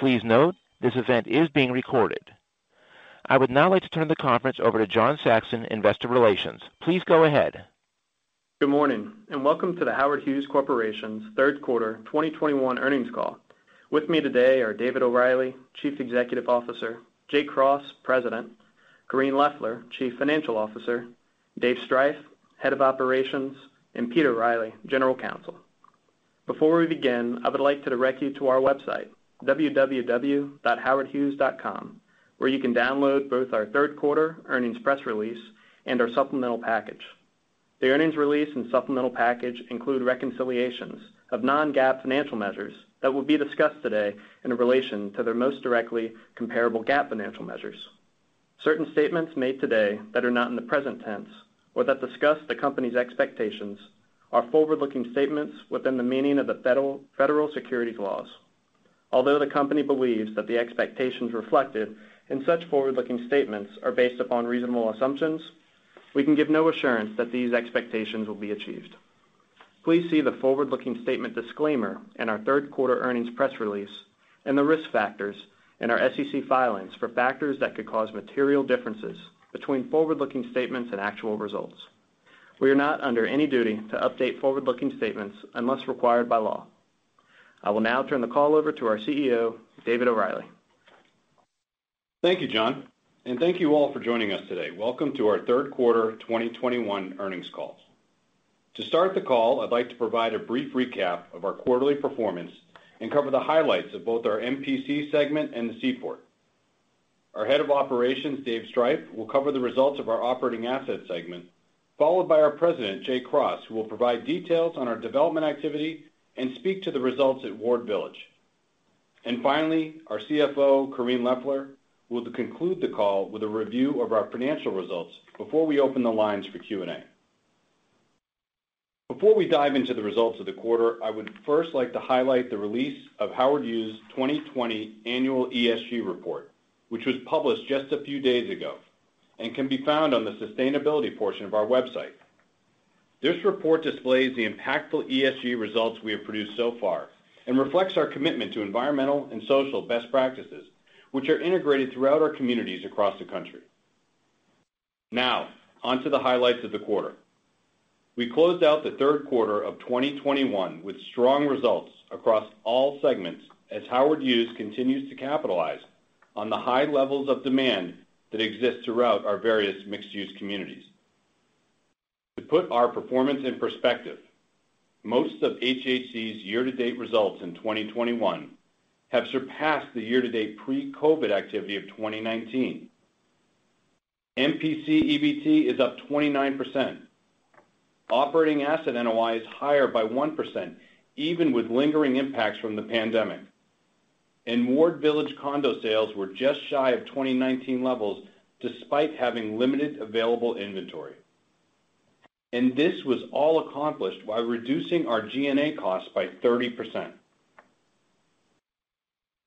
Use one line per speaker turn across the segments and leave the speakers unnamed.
Good morning, and welcome to the Howard Hughes Corporation's third quarter 2021 earnings call. With me today are David O'Reilly, Chief Executive Officer, Jay Cross, President, Correne Loeffler, Chief Financial Officer, Dave Striph, Head of Operations, and Peter Riley, General Counsel. Before we begin, I would like to direct you to our website, www.howardhughes.com, where you can download both our third quarter earnings press release and our supplemental package. The earnings release and supplemental package include reconciliations of non-GAAP financial measures that will be discussed today in relation to their most directly comparable GAAP financial measures. Certain statements made today that are not in the present tense or that discuss the company's expectations are forward-looking statements within the meaning of the federal securities laws. Although the company believes that the expectations reflected in such forward-looking statements are based upon reasonable assumptions, we can give no assurance that these expectations will be achieved. Please see the forward-looking statement disclaimer in our third quarter earnings press release and the risk factors in our SEC filings for factors that could cause material differences between forward-looking statements and actual results. We are not under any duty to update forward-looking statements unless required by law. I will now turn the call over to our CEO, David O'Reilly.
Thank you, John, and thank you all for joining us today. Welcome to our third quarter 2021 earnings call. To start the call, I'd like to provide a brief recap of our quarterly performance and cover the highlights of both our MPC segment and the Seaport. Our Head of Operations, Dave Striph, will cover the results of our operating asset segment, followed by our President, Jay Cross, who will provide details on our development activity and speak to the results at Ward Village. Finally, our CFO, Correne Loeffler, will conclude the call with a review of our financial results before we open the lines for Q&A. Before we dive into the results of the quarter, I would first like to highlight the release of Howard Hughes' 2020 annual ESG report, which was published just a few days ago and can be found on the sustainability portion of our website. This report displays the impactful ESG results we have produced so far and reflects our commitment to environmental and social best practices, which are integrated throughout our communities across the country. Now, on to the highlights of the quarter. We closed out the third quarter of 2021 with strong results across all segments as Howard Hughes continues to capitalize on the high levels of demand that exist throughout our various mixed-use communities. To put our performance in perspective, most of HHC's year-to-date results in 2021 have surpassed the year-to-date pre-COVID activity of 2019. MPC EBT is up 29%. Operating asset NOI is higher by 1%, even with lingering impacts from the pandemic. Ward Village condo sales were just shy of 2019 levels despite having limited available inventory. This was all accomplished while reducing our G&A costs by 30%.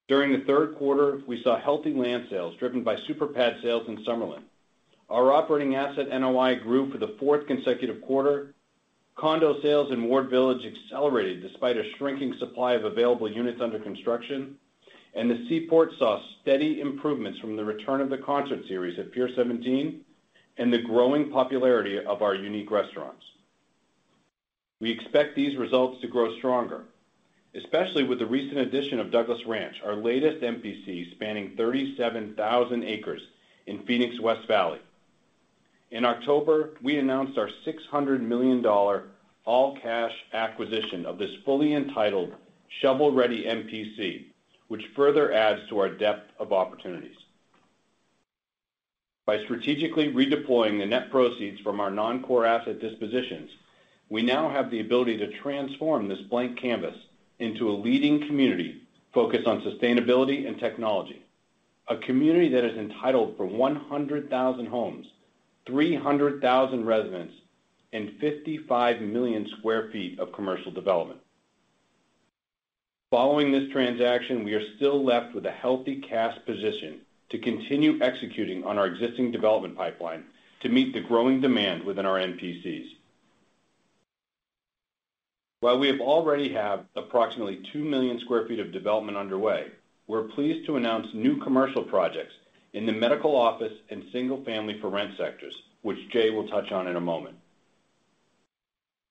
During the third quarter, we saw healthy land sales driven by superpad sales in Summerlin. Our operating asset NOI grew for the fourth consecutive quarter. Condo sales in Ward Village accelerated despite a shrinking supply of available units under construction. The Seaport saw steady improvements from the return of the concert series at Pier 17 and the growing popularity of our unique restaurants. We expect these results to grow stronger, especially with the recent addition of Douglas Ranch, our latest MPC spanning 37,000 acres in Phoenix's West Valley. In October, we announced our $600 million all-cash acquisition of this fully entitled shovel-ready MPC, which further adds to our depth of opportunities. By strategically redeploying the net proceeds from our non-core asset dispositions, we now have the ability to transform this blank canvas into a leading community focused on sustainability and technology, a community that is entitled for 100,000 homes, 300,000 residents, and 55 million sq ft of commercial development. Following this transaction, we are still left with a healthy cash position to continue executing on our existing development pipeline to meet the growing demand within our MPCs. While we have already approximately 2 million sq ft of development underway, we're pleased to announce new commercial projects in the medical office and single-family for rent sectors, which Jay will touch on in a moment.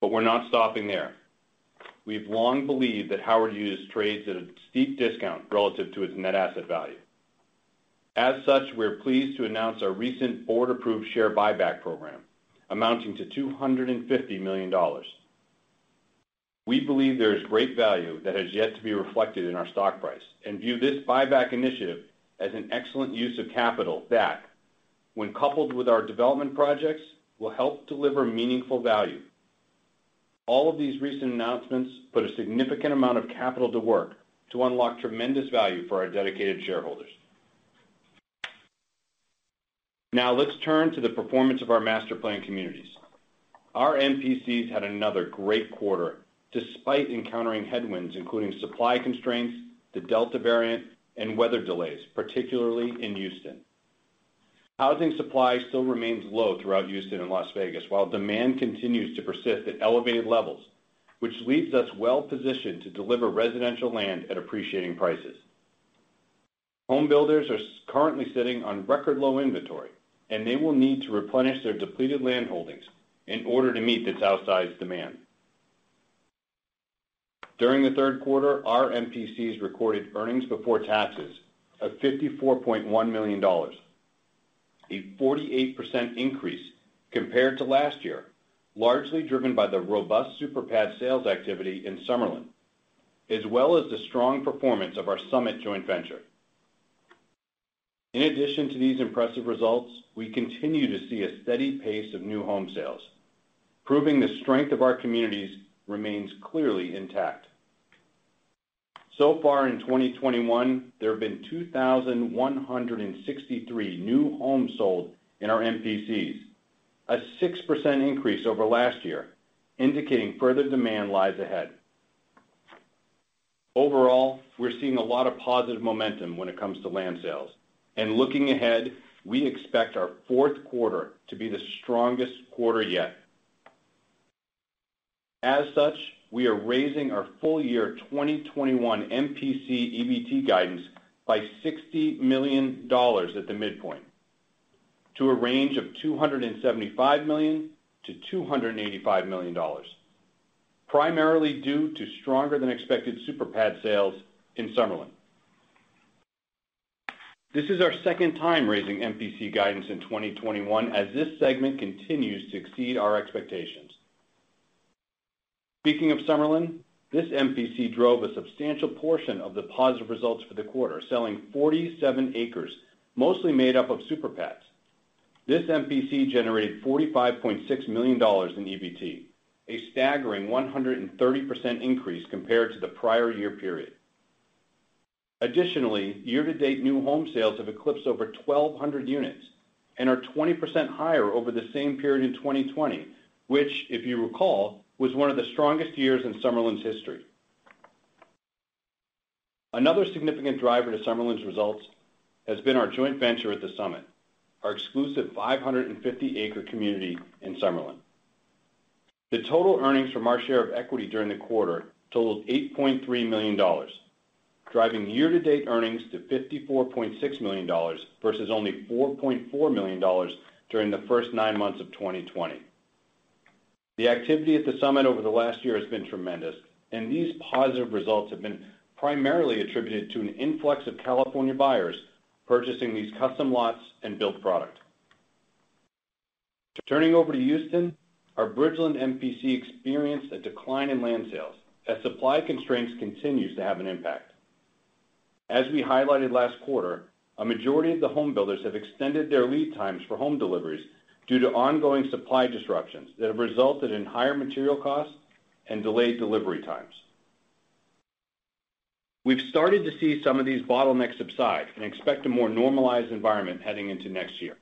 We're not stopping there. We've long believed that Howard Hughes trades at a steep discount relative to its net asset value. As such, we're pleased to announce our recent board-approved share buyback program amounting to $250 million. We believe there is great value that has yet to be reflected in our stock price and view this buyback initiative as an excellent use of capital that, when coupled with our development projects, will help deliver meaningful value. All of these recent announcements put a significant amount of capital to work to unlock tremendous value for our dedicated shareholders. Now let's turn to the performance of our master planned communities. Our MPCs had another great quarter despite encountering headwinds, including supply constraints, the Delta variant, and weather delays, particularly in Houston. Housing supply still remains low throughout Houston and Las Vegas, while demand continues to persist at elevated levels, which leaves us well-positioned to deliver residential land at appreciating prices. Home builders are currently sitting on record low inventory, and they will need to replenish their depleted land holdings in order to meet this outsized demand. During the third quarter, our MPCs recorded earnings before taxes of $54.1 million, a 48% increase compared to last year, largely driven by the robust super pad sales activity in Summerlin, as well as the strong performance of our Summit joint venture. In addition to these impressive results, we continue to see a steady pace of new home sales, proving the strength of our communities remains clearly intact. So far in 2021, there have been 2,163 new homes sold in our MPCs, a 6% increase over last year, indicating further demand lies ahead. Overall, we're seeing a lot of positive momentum when it comes to land sales. Looking ahead, we expect our fourth quarter to be the strongest quarter yet. As such, we are raising our full-year 2021 MPC EBT guidance by $60 million at the midpoint to a range of $275 million-$285 million, primarily due to stronger than expected superpad sales in Summerlin. This is our second time raising MPC guidance in 2021 as this segment continues to exceed our expectations. Speaking of Summerlin, this MPC drove a substantial portion of the positive results for the quarter, selling 47 acres, mostly made up of super pads. This MPC generated $45.6 million in EBT, a staggering 130% increase compared to the prior year period. Additionally, year-to-date new home sales have eclipsed over 1,200 units and are 20% higher over the same period in 2020, which, if you recall, was one of the strongest years in Summerlin's history. Another significant driver to Summerlin's results has been our joint venture at the Summit, our exclusive 550-acre community in Summerlin. The total earnings from our share of equity during the quarter totaled $8.3 million, driving year-to-date earnings to $54.6 million versus only $4.4 million during the first nine months of 2020. The activity at the Summit over the last year has been tremendous, and these positive results have been primarily attributed to an influx of California buyers purchasing these custom lots and build product. Turning over to Houston, our Bridgeland MPC experienced a decline in land sales as supply constraints continues to have an impact. As we highlighted last quarter, a majority of the home builders have extended their lead times for home deliveries due to ongoing supply disruptions that have resulted in higher material costs and delayed delivery times. We've started to see some of these bottlenecks subside and expect a more normalized environment heading into next year.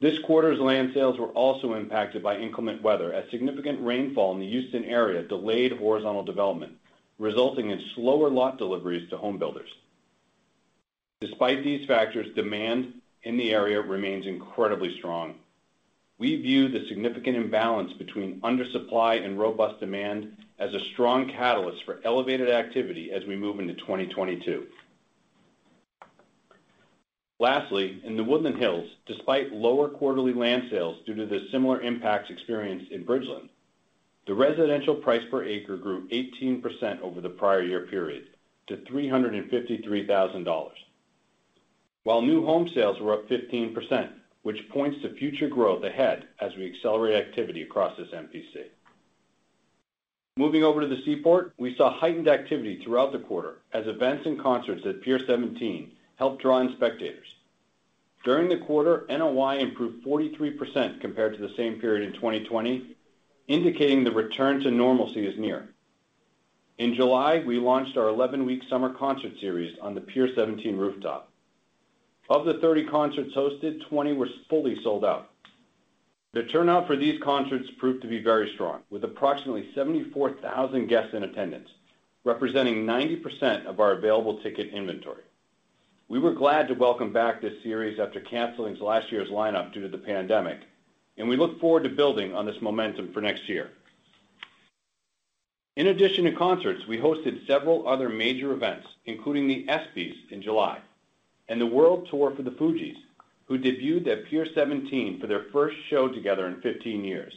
This quarter's land sales were also impacted by inclement weather as significant rainfall in the Houston area delayed horizontal development, resulting in slower lot deliveries to home builders. Despite these factors, demand in the area remains incredibly strong. We view the significant imbalance between undersupply and robust demand as a strong catalyst for elevated activity as we move into 2022. Lastly, in The Woodlands Hills, despite lower quarterly land sales due to the similar impacts experienced in Bridgeland, the residential price per acre grew 18% over the prior year periods to $353,000. While new home sales were up 15%, which points to future growth ahead as we accelerate activity across this MPC. Moving over to the Seaport, we saw heightened activity throughout the quarter as events and concerts at Pier 17 helped draw in spectators. During the quarter, NOI improved 43% compared to the same period in 2020, indicating the return to normalcy is near. In July, we launched our 11-week summer concert series on the Pier 17 rooftop. Of the 30 concerts hosted, 20 were fully sold out. The turnout for these concerts proved to be very strong, with approximately 74,000 guests in attendance, representing 90% of our available ticket inventory. We were glad to welcome back this series after canceling last year's lineup due to the pandemic, and we look forward to building on this momentum for next year. In addition to concerts, we hosted several other major events, including the ESPYs in July and the world tour for the Fugees, who debuted at Pier 17 for their first show together in 15 years.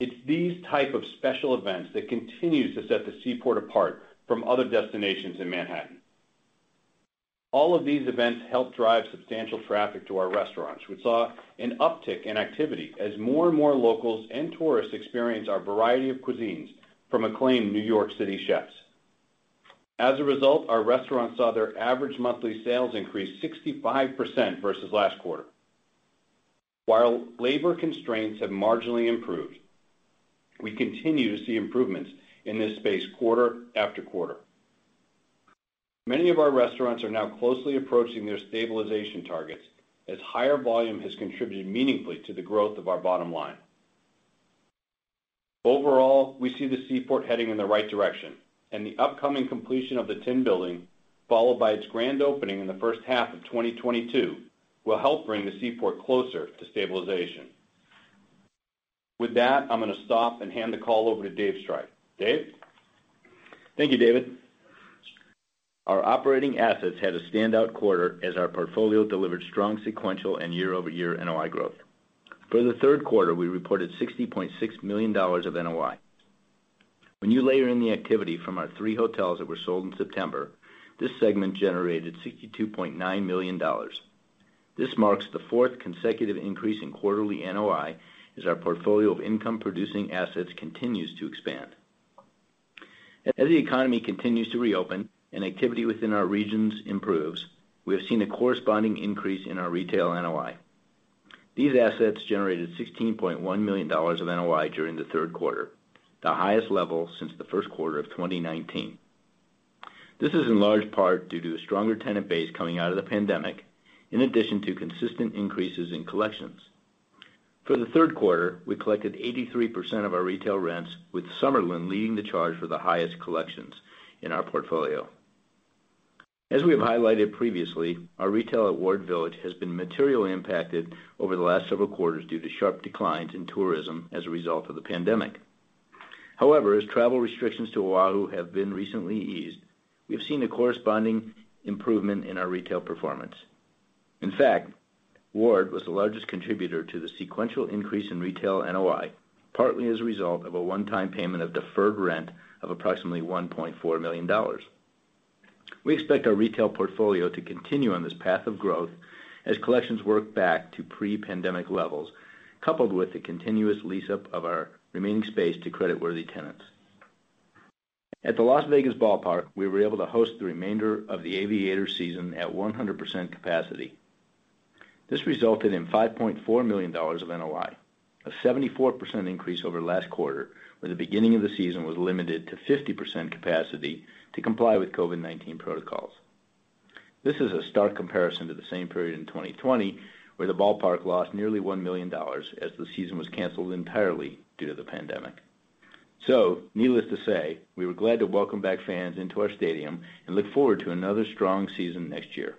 It's these type of special events that continues to set the Seaport apart from other destinations in Manhattan. All of these events help drive substantial traffic to our restaurants. We saw an uptick in activity as more and more locals and tourists experience our variety of cuisines from acclaimed New York City chefs. As a result, our restaurants saw their average monthly sales increase 65% versus last quarter. While labor constraints have marginally improved, we continue to see improvements in this space quarter after quarter. Many of our restaurants are now closely approaching their stabilization targets as higher volume has contributed meaningfully to the growth of our bottom line. Overall, we see the Seaport heading in the right direction, and the upcoming completion of the Tin Building, followed by its grand opening in the first half of 2022, will help bring the Seaport closer to stabilization. With that, I'm gonna stop and hand the call over to Dave Striph. Dave?
Thank you, David. Our operating assets had a standout quarter as our portfolio delivered strong sequential and year-over-year NOI growth. For the third quarter, we reported $60.6 million of NOI. When you layer in the activity from our three hotels that were sold in September, this segment generated $62.9 million. This marks the fourth consecutive increase in quarterly NOI as our portfolio of income-producing assets continues to expand. As the economy continues to reopen and activity within our regions improves, we have seen a corresponding increase in our retail NOI. These assets generated $16.1 million of NOI during the third quarter, the highest level since the first quarter of 2019. This is in large part due to a stronger tenant base coming out of the pandemic, in addition to consistent increases in collections. For the third quarter, we collected 83% of our retail rents, with Summerlin leading the charge for the highest collections in our portfolio. As we have highlighted previously, our retail at Ward Village has been materially impacted over the last several quarters due to sharp declines in tourism as a result of the pandemic. However, as travel restrictions to Oahu have been recently eased, we have seen a corresponding improvement in our retail performance. In fact, Ward was the largest contributor to the sequential increase in retail NOI, partly as a result of a one-time payment of deferred rent of approximately $1.4 million. We expect our retail portfolio to continue on this path of growth as collections work back to pre-pandemic levels, coupled with the continuous lease-up of our remaining space to credit-worthy tenants. At the Las Vegas Ballpark, we were able to host the remainder of the Aviators season at 100% capacity. This resulted in $5.4 million of NOI, a 74% increase over last quarter, where the beginning of the season was limited to 50% capacity to comply with COVID-19 protocols. This is a stark comparison to the same period in 2020, where the ballpark lost nearly $1 million as the season was canceled entirely due to the pandemic. Needless to say, we were glad to welcome back fans into our stadium and look forward to another strong season next year.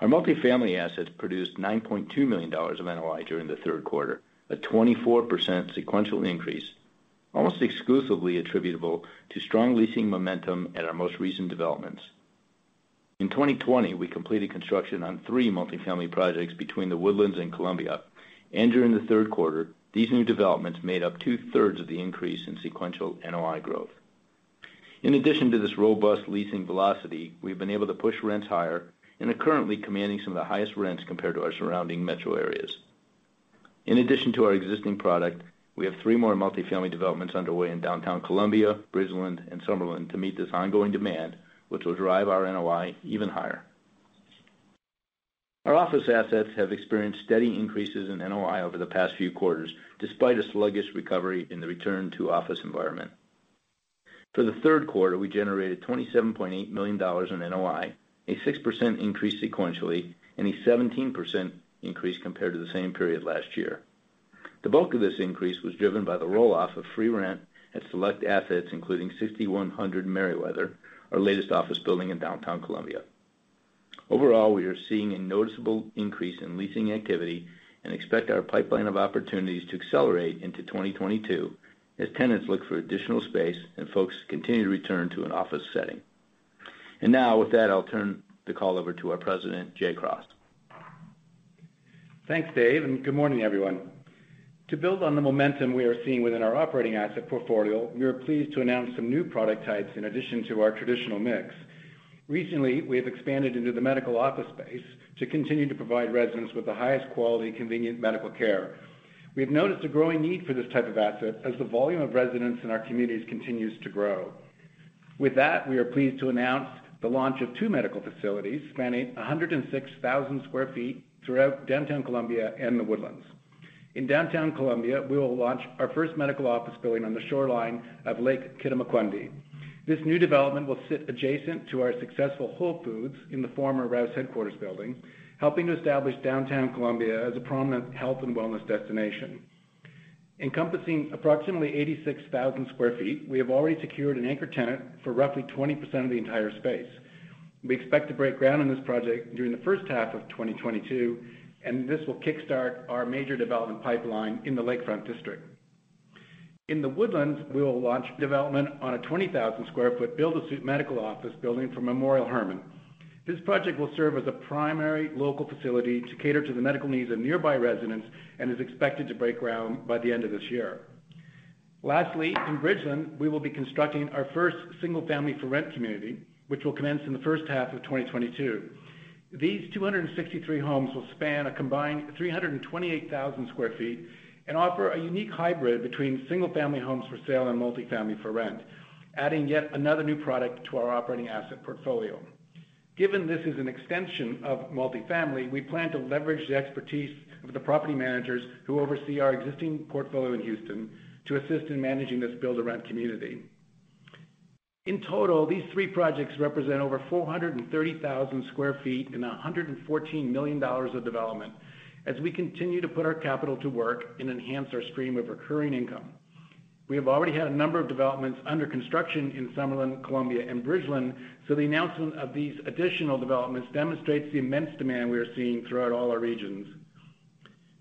Our multifamily assets produced $9.2 million of NOI during the third quarter, a 24% sequential increase, almost exclusively attributable to strong leasing momentum at our most recent developments. In 2020, we completed construction on three multifamily projects between The Woodlands and Columbia. During the third quarter, these new developments made up two-thirds of the increase in sequential NOI growth. In addition to this robust leasing velocity, we've been able to push rents higher and are currently commanding some of the highest rents compared to our surrounding metro areas. In addition to our existing product, we have three more multifamily developments underway in downtown Columbia, Bridgeland, and Summerlin to meet this ongoing demand, which will drive our NOI even higher. Our office assets have experienced steady increases in NOI over the past few quarters, despite a sluggish recovery in the return to office environment. For the third quarter, we generated $27.8 million in NOI, a 6% increase sequentially, and a 17% increase compared to the same period last year. The bulk of this increase was driven by the roll-off of free rent at select assets, including 6100 Merriweather, our latest office building in downtown Columbia. Overall, we are seeing a noticeable increase in leasing activity and expect our pipeline of opportunities to accelerate into 2022 as tenants look for additional space and folks continue to return to an office setting. Now with that, I'll turn the call over to our President, Jay Cross.
Thanks, Dave, and good morning, everyone. To build on the momentum we are seeing within our operating asset portfolio, we are pleased to announce some new product types in addition to our traditional mix. Recently, we have expanded into the medical office space to continue to provide residents with the highest quality, convenient medical care. We have noticed a growing need for this type of asset as the volume of residents in our communities continues to grow. With that, we are pleased to announce the launch of two medical facilities spanning 106,000 sq ft throughout downtown Columbia and The Woodlands. In downtown Columbia, we will launch our first medical office building on the shoreline of Lake Kittamaqundi. This new development will sit adjacent to our successful Whole Foods in the former Rouse headquarters building, helping to establish downtown Columbia as a prominent health and wellness destination. Encompassing approximately 86,000 sq ft, we have already secured an anchor tenant for roughly 20% of the entire space. We expect to break ground on this project during the first half of 2022, and this will kickstart our major development pipeline in the Lakefront District. In The Woodlands, we will launch development on a 20,000 sq ft build-to-suit medical office building for Memorial Hermann. This project will serve as a primary local facility to cater to the medical needs of nearby residents and is expected to break ground by the end of this year. Lastly, in Bridgeland, we will be constructing our first single-family-for-rent community, which will commence in the first half of 2022. These 263 homes will span a combined 328,000 sq ft and offer a unique hybrid between single-family homes for sale and multifamily for rent, adding yet another new product to our operating asset portfolio. Given this is an extension of multifamily, we plan to leverage the expertise of the property managers who oversee our existing portfolio in Houston to assist in managing this build-to-rent community. In total, these three projects represent over 430,000 sq ft and $114 million of development as we continue to put our capital to work and enhance our stream of recurring income. We have already had a number of developments under construction in Summerlin, Columbia, and Bridgeland, so the announcement of these additional developments demonstrates the immense demand we are seeing throughout all our regions.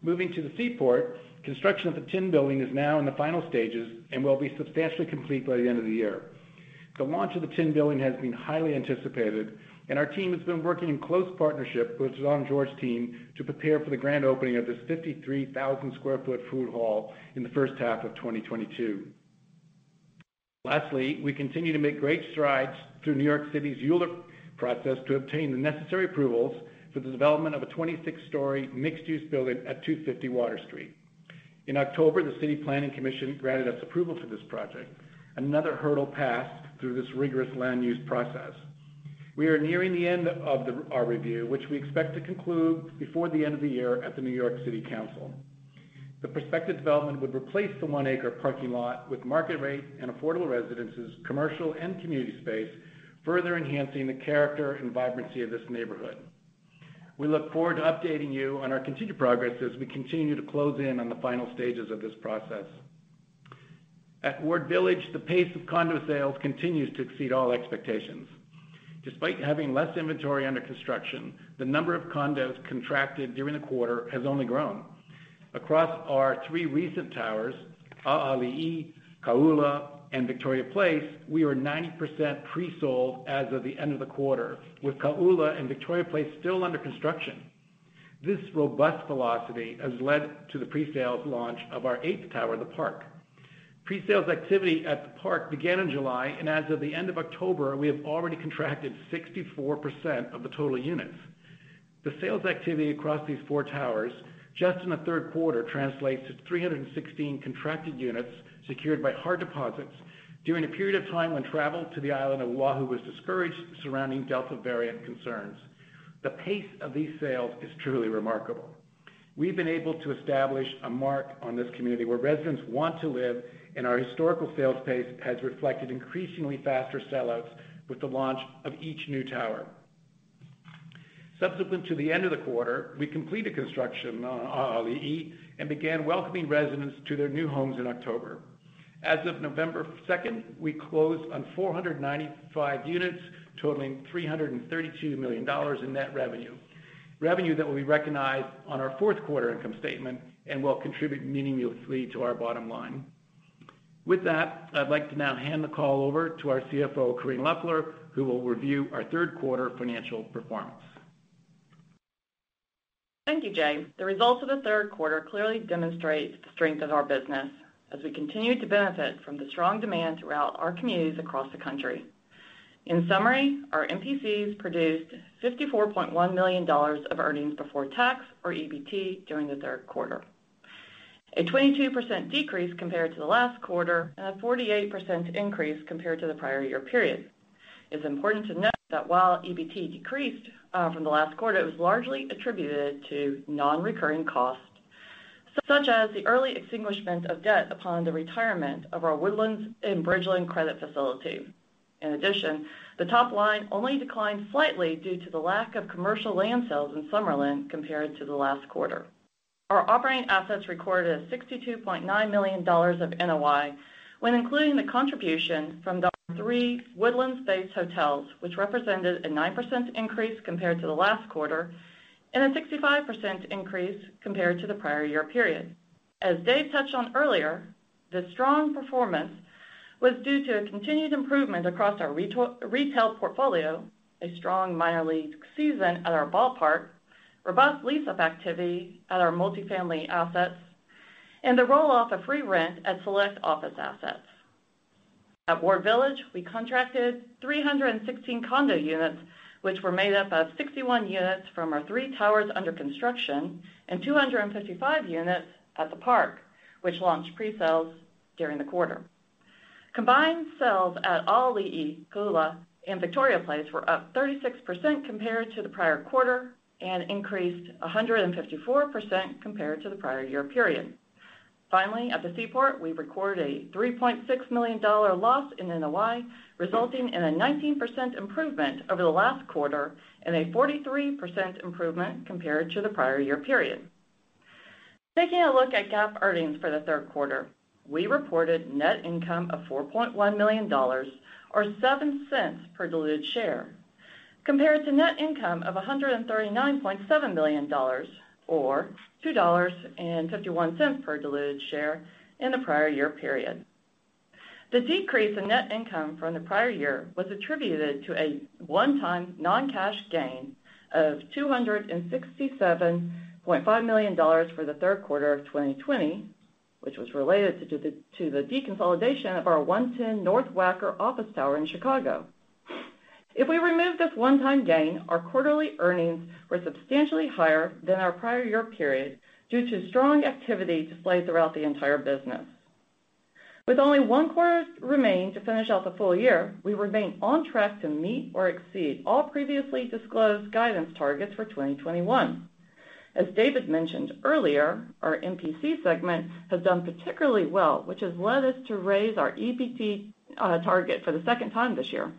Moving to the Seaport, construction of the Tin Building is now in the final stages and will be substantially complete by the end of the year. The launch of the Tin Building has been highly anticipated, and our team has been working in close partnership with Jean-Georges' team to prepare for the grand opening of this 53,000 sq ft food hall in the first half of 2022. Lastly, we continue to make great strides through New York City's ULURP process to obtain the necessary approvals for the development of a 26-story mixed-use building at 250 Water Street. In October, the City Planning Commission granted us approval for this project. Another hurdle passed through this rigorous land use process. We are nearing the end of our review, which we expect to conclude before the end of the year at the New York City Council. The prospective development would replace the one acre parking lot with market rate and affordable residences, commercial and community space, further enhancing the character and vibrancy of this neighborhood. We look forward to updating you on our continued progress as we continue to close in on the final stages of this process. At Ward Village, the pace of condo sales continues to exceed all expectations. Despite having less inventory under construction, the number of condos contracted during the quarter has only grown. Across our three recent towers, ʻAʻaliʻi, Kōʻula, and Victoria Place, we are 90% pre-sold as of the end of the quarter, with Kōʻula and Victoria Place still under construction. This robust velocity has led to the pre-sales launch of our eighth tower, The Park. Pre-sales activity at The Park began in July, and as of the end of October, we have already contracted 64% of the total units. The sales activity across these four towers just in the third quarter translates to 316 contracted units secured by hard deposits during a period of time when travel to the island of Oahu was discouraged surrounding Delta variant concerns. The pace of these sales is truly remarkable. We've been able to establish a mark on this community where residents want to live, and our historical sales pace has reflected increasingly faster sellouts with the launch of each new tower. Subsequent to the end of the quarter, we completed construction on ʻAʻaliʻi and began welcoming residents to their new homes in October. As of November 2nd, we closed on 495 units, totaling $332 million in net revenue that will be recognized on our fourth quarter income statement and will contribute meaningfully to our bottom line. With that, I'd like to now hand the call over to our CFO, Correne Loeffler, who will review our third quarter financial performance.
Thank you, Jay. The results of the third quarter clearly demonstrate the strength of our business as we continue to benefit from the strong demand throughout our communities across the country. In summary, our MPCs produced $54.1 million of earnings before tax, or EBT, during the third quarter. A 22% decrease compared to the last quarter, and a 48% increase compared to the prior year period. It's important to note that while EBT decreased from the last quarter, it was largely attributed to non-recurring costs, such as the early extinguishment of debt upon the retirement of our Woodlands and Bridgeland credit facility. In addition, the top line only declined slightly due to the lack of commercial land sales in Summerlin compared to the last quarter. Our operating assets recorded $62.9 million of NOI when including the contribution from the three Woodlands-based hotels, which represented a 9% increase compared to the last quarter and a 65% increase compared to the prior year period. As Dave touched on earlier, the strong performance was due to a continued improvement across our retail portfolio, a strong minor league season at our ballpark, robust lease-up activity at our multifamily assets, and the roll-off of free rent at select office assets. At Ward Village, we contracted 316 condo units, which were made up of 61 units from our three towers under construction and 255 units at The Park, which launched pre-sales during the quarter. Combined sales at ʻAʻaliʻi, Kō'ula, and Victoria Place were up 36% compared to the prior quarter and increased 154% compared to the prior year period. Finally, at the Seaport, we recorded a $3.6 million loss in NOI, resulting in a 19% improvement over the last quarter and a 43% improvement compared to the prior year period. Taking a look at GAAP earnings for the third quarter, we reported net income of $4.1 million or $0.07 per diluted share, compared to net income of $139.7 million or $2.51 per diluted share in the prior year period. The decrease in net income from the prior year was attributed to a one-time non-cash gain of $267.5 million for the third quarter of 2020, which was related to the deconsolidation of our 110 North Wacker office tower in Chicago. If we remove this one-time gain, our quarterly earnings were substantially higher than our prior year period due to strong activity displayed throughout the entire business. With only one quarter remaining to finish out the full year, we remain on track to meet or exceed all previously disclosed guidance targets for 2021. As David mentioned earlier, our MPC segment has done particularly well, which has led us to raise our EBT target for the second time this year.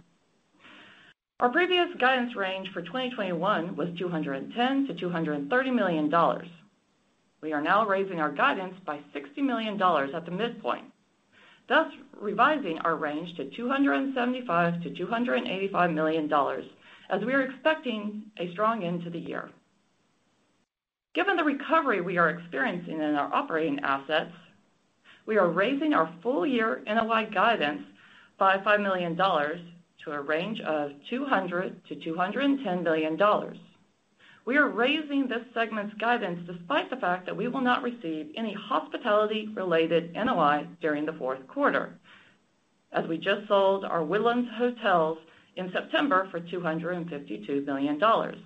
Our previous guidance range for 2021 was $210 million-$230 million. We are now raising our guidance by $60 million at the midpoint, thus revising our range to $275 million-$285 million as we are expecting a strong end to the year. Given the recovery we are experiencing in our operating assets, we are raising our full year NOI guidance by $5 million to a range of $200 million-$210 million. We are raising this segment's guidance despite the fact that we will not receive any hospitality-related NOI during the fourth quarter, as we just sold our Woodlands Hotels in September for $252 million. The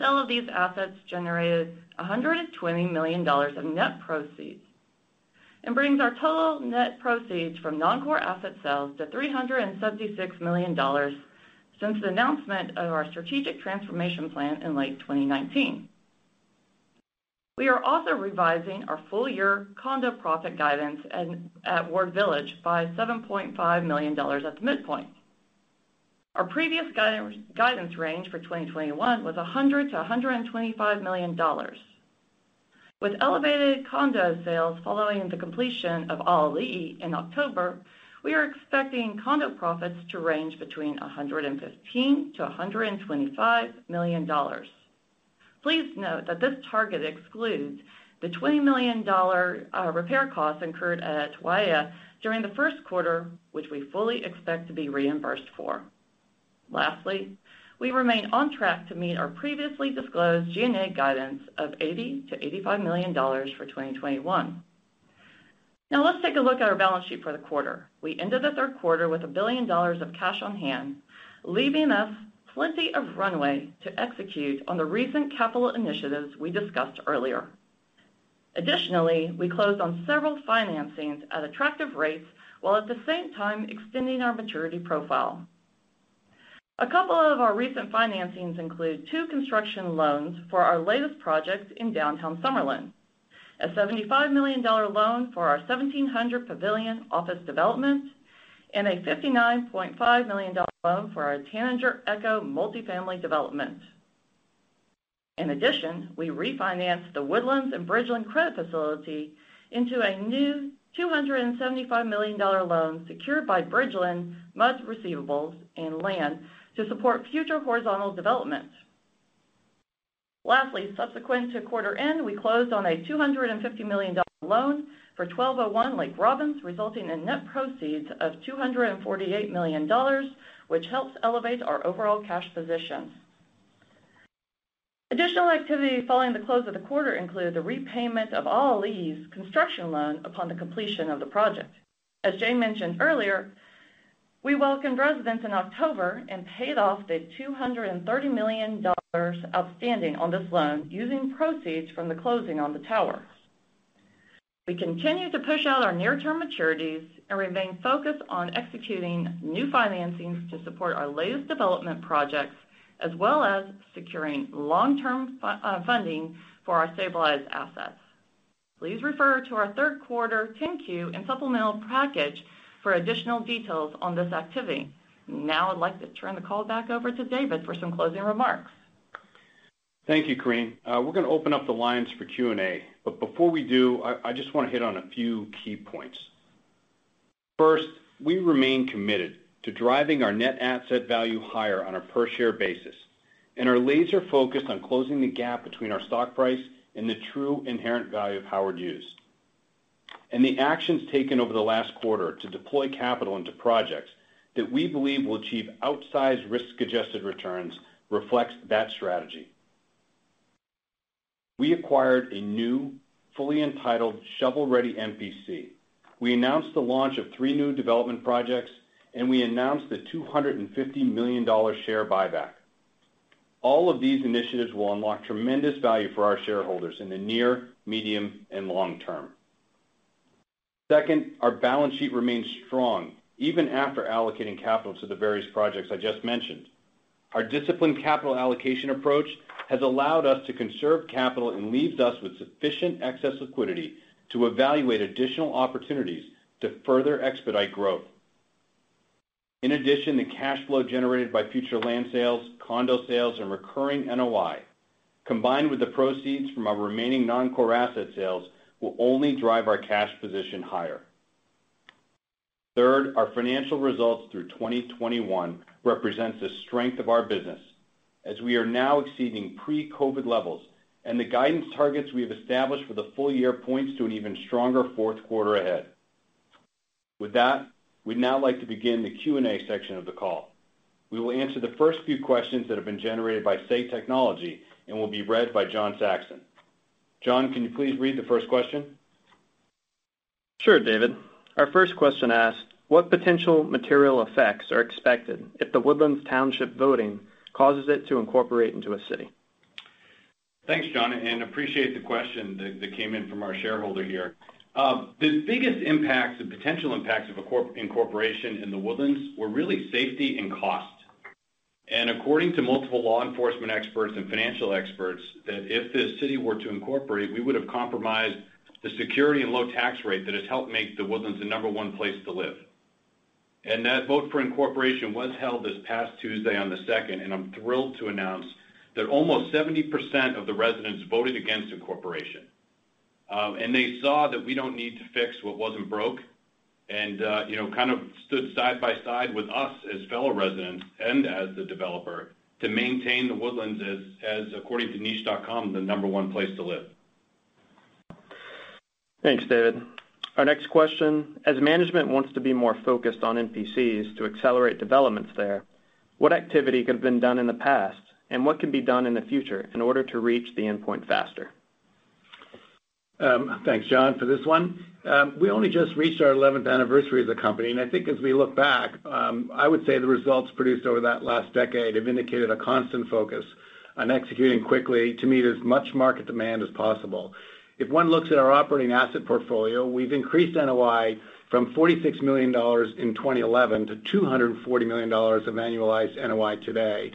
sale of these assets generated $120 million of net proceeds and brings our total net proceeds from non-core asset sales to $376 million since the announcement of our strategic transformation plan in late 2019. We are also revising our full year condo profit guidance at Ward Village by $7.5 million at the midpoint. Our previous guidance range for 2021 was $100 million-$125 million. With elevated condo sales following the completion of ʻAʻaliʻi in October, we are expecting condo profits to range between $115 million-$125 million. Please note that this target excludes the $20 million repair costs incurred at Waiea during the first quarter, which we fully expect to be reimbursed for. Lastly, we remain on track to meet our previously disclosed G&A guidance of $80 million-$85 million for 2021. Now let's take a look at our balance sheet for the quarter. We ended the third quarter with $1 billion of cash on hand, leaving us plenty of runway to execute on the recent capital initiatives we discussed earlier. Additionally, we closed on several financings at attractive rates, while at the same time extending our maturity profile. A couple of our recent financings include two construction loans for our latest projects in downtown Summerlin, a $75 million loan for our 1700 Pavilion office development, and a $59.5 million loan for our Tanager Echo multifamily development. In addition, we refinanced The Woodlands and Bridgeland credit facility into a new $275 million loan secured by Bridgeland, MPC receivables and land to support future horizontal development. Lastly, subsequent to quarter end, we closed on a $250 million loan for 1201 Lake Robbins, resulting in net proceeds of $248 million, which helps elevate our overall cash position. Additional activity following the close of the quarter include the repayment of ʻAʻaliʻi's construction loan upon the completion of the project. As Jay mentioned earlier, we welcomed residents in October and paid off the $230 million outstanding on this loan using proceeds from the closing on the tower. We continue to push out our near-term maturities and remain focused on executing new financings to support our latest development projects, as well as securing long-term funding for our stabilized assets. Please refer to our third quarter 10-Q and supplemental package for additional details on this activity. Now I'd like to turn the call back over to David for some closing remarks.
Thank you, Correne. We're going to open up the lines for Q&A. Before we do, I just wanna hit on a few key points. First, we remain committed to driving our net asset value higher on a per share basis, and are laser focused on closing the gap between our stock price and the true inherent value of Howard Hughes. The actions taken over the last quarter to deploy capital into projects that we believe will achieve outsized risk-adjusted returns reflects that strategy. We acquired a new, fully entitled shovel-ready MPC. We announced the launch of three new development projects, and we announced the $250 million share buyback. All of these initiatives will unlock tremendous value for our shareholders in the near, medium, and long term. Second, our balance sheet remains strong even after allocating capital to the various projects I just mentioned. Our disciplined capital allocation approach has allowed us to conserve capital and leaves us with sufficient excess liquidity to evaluate additional opportunities to further expedite growth. In addition, the cash flow generated by future land sales, condo sales, and recurring NOI, combined with the proceeds from our remaining non-core asset sales, will only drive our cash position higher. Third, our financial results through 2021 represents the strength of our business as we are now exceeding pre-COVID levels, and the guidance targets we have established for the full year points to an even stronger fourth quarter ahead. With that, we'd now like to begin the Q&A section of the call. We will answer the first few questions that have been generated by Say Technologies and will be read by John Saxon. John, can you please read the first question?
Sure, David. Our first question asks, what potential material effects are expected if The Woodlands Township voting causes it to incorporate into a city?
Thanks, John, and appreciate the question that came in from our shareholder here. The biggest impacts, the potential impacts of incorporation in The Woodlands were really safety and cost. According to multiple law enforcement experts and financial experts, that if the city were to incorporate, we would have compromised the security and low tax rate that has helped make The Woodlands the number one place to live. That vote for incorporation was held this past Tuesday on the second, and I'm thrilled to announce that almost 70% of the residents voted against incorporation. They saw that we don't need to fix what wasn't broke and you know kind of stood side by side with us as fellow residents and as the developer to maintain The Woodlands as according to niche.com the number one place to live.
Thanks, David. Our next question. As management wants to be more focused on MPCs to accelerate developments there, what activity could have been done in the past, and what can be done in the future in order to reach the endpoint faster?
Thanks, John, for this one. We only just reached our 11th anniversary as a company. I think as we look back, I would say the results produced over that last decade have indicated a constant focus on executing quickly to meet as much market demand as possible. If one looks at our operating asset portfolio, we've increased NOI from $46 million in 2011 to $240 million of annualized NOI today.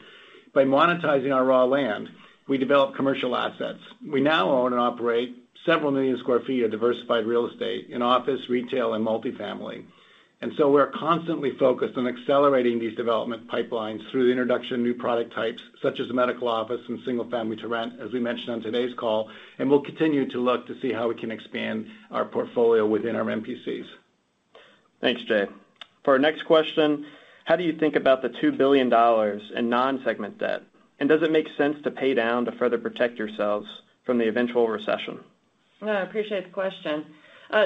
By monetizing our raw land, we developed commercial assets. We now own and operate several million sq ft of diversified real estate in office, retail, and multifamily. We're constantly focused on accelerating these development pipelines through the introduction of new product types, such as medical office and single-family-for-rent, as we mentioned on today's call, and we'll continue to look to see how we can expand our portfolio within our MPCs.
Thanks, Jay. For our next question, how do you think about the $2 billion in non-segment debt, and does it make sense to pay down to further protect yourselves from the eventual recession?
No, I appreciate the question.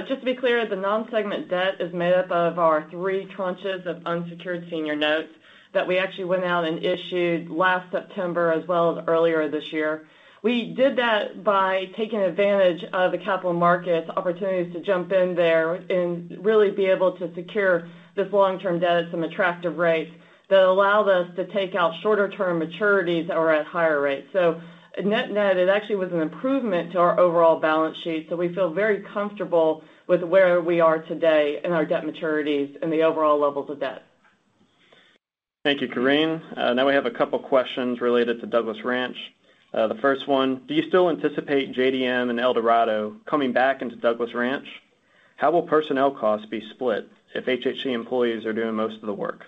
Just to be clear, the non-segment debt is made up of our three tranches of unsecured senior notes that we actually went out and issued last September as well as earlier this year. We did that by taking advantage of the capital markets opportunities to jump in there and really be able to secure this long-term debt at some attractive rates that allowed us to take out shorter term maturities that were at higher rates. Net net, it actually was an improvement to our overall balance sheet, so we feel very comfortable with where we are today in our debt maturities and the overall levels of debt.
Thank you, Corinne. Now we have a couple questions related to Douglas Ranch. The first one, do you still anticipate JDM and El Dorado coming back into Douglas Ranch? How will personnel costs be split if HHC employees are doing most of the work?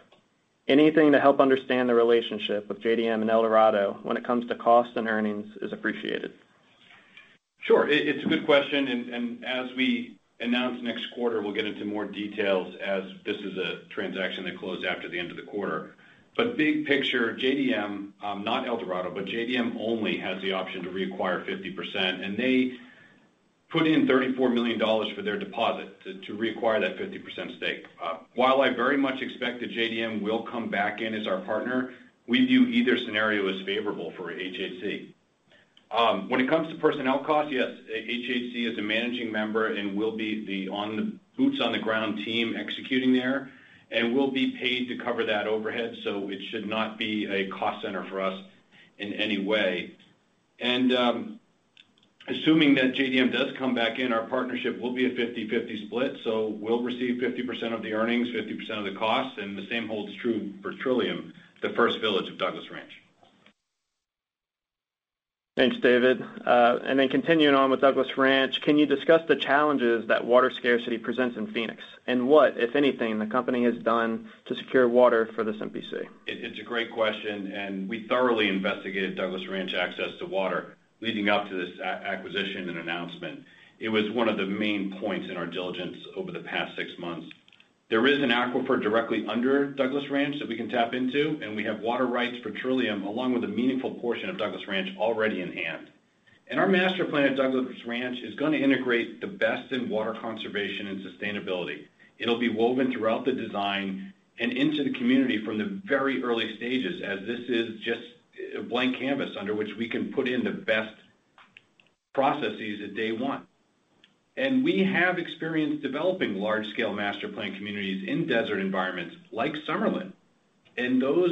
Anything to help understand the relationship with JDM and El Dorado when it comes to costs and earnings is appreciated.
Sure. It's a good question, and as we announce next quarter, we'll get into more details as this is a transaction that closed after the end of the quarter. Big picture, JDM, not El Dorado, but JDM only has the option to reacquire 50%, and they put in $34 million for their deposit to reacquire that 50% stake. While I very much expect that JDM will come back in as our partner, we view either scenario as favorable for HHC. When it comes to personnel costs, yes, HHC is a managing member and will be the boots on the ground team executing there and will be paid to cover that overhead, so it should not be a cost center for us in any way. Assuming that JDM does come back in, our partnership will be a 50/50 split. We'll receive 50% of the earnings, 50% of the costs, and the same holds true for Trillium, the first village of Douglas Ranch.
Thanks, David. Continuing on with Douglas Ranch, can you discuss the challenges that water scarcity presents in Phoenix and what, if anything, the company has done to secure water for this MPC?
It's a great question, and we thoroughly investigated Douglas Ranch access to water leading up to this acquisition and announcement. It was one of the main points in our diligence over the past six months. There is an aquifer directly under Douglas Ranch that we can tap into, and we have water rights for Trillium, along with a meaningful portion of Douglas Ranch already in hand. Our master plan at Douglas Ranch is gonna integrate the best in water conservation and sustainability. It'll be woven throughout the design and into the community from the very early stages, as this is just a blank canvas under which we can put in the best processes at day one. We have experience developing large-scale master planned communities in desert environments like Summerlin, and those